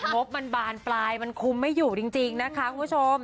งบมันบานปลายมันคุมไม่อยู่จริงนะคะคุณผู้ชม